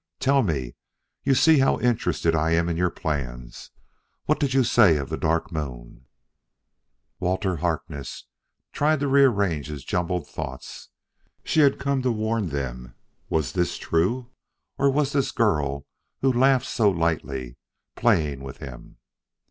Tell me you see how interested I am in your plans? what did you say of the Dark Moon?" Walter Harkness tried to rearrange his jumbled thoughts. She had come to warn them. Was this true? Or was this girl, who laughed so lightly, playing with him?